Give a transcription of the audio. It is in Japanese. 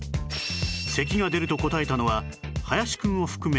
咳が出ると答えたのは林くんを含め５人